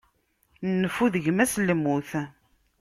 Nnfu, d gma-s n lmut.